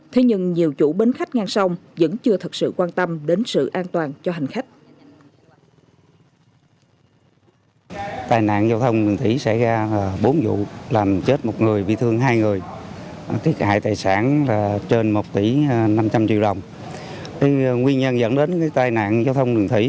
thế nhưng nhiều chủ bến khách ngang sông vẫn chưa thật sự quan tâm đến sự an toàn cho hành khách